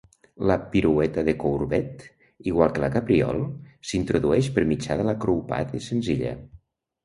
La pirueta de courbette, igual que la capriole, s'introdueix per mitjà de la croupade senzilla.